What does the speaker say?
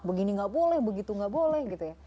begini nggak boleh begitu nggak boleh gitu ya